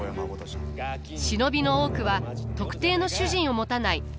忍びの多くは特定の主人を持たないプロの傭兵集団。